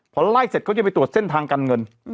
พอไล่เสร็จเขาจะไปตรวจเส้นทางการเงิน